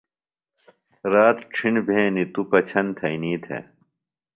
رات ڇِھݨ بھینیۡ توۡ پچھن تھئینی تھےۡ۔